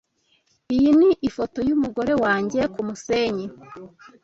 Iyi ni ifoto yumugore wanjye kumusenyi.